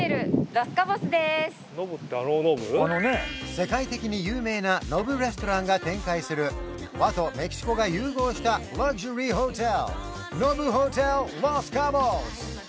世界的に有名なＮＯＢＵレストランが展開する和とメキシコが融合したラグジュアリーホテルノブホテルロス・カボス！